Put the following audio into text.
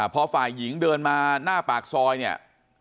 พอฝ่ายหญิงเดินมาหน้าปากซอยเนี่ย